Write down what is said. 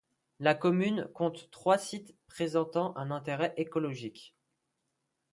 La commune compte trois sites présentant un intérêt écologique.